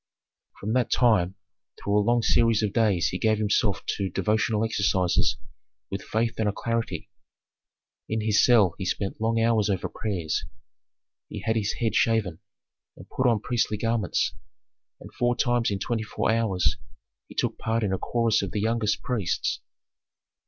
From that time through a long series of days he gave himself to devotional exercises with faith and alacrity. In his cell he spent long hours over prayers, he had his head shaven, and put on priestly garments, and four times in twenty four hours he took part in a chorus of the youngest priests.